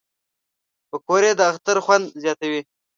پکورې د اختر خوند زیاتوي